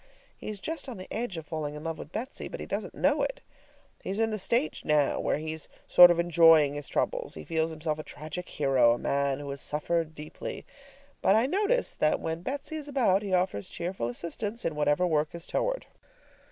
He is just on the edge of falling in love with Betsy, but he doesn't know it. He's in the stage now where he's sort of enjoying his troubles. He feels himself a tragic hero, a man who has suffered deeply. But I notice that when Betsy is about, he offers cheerful assistance in whatever work is toward.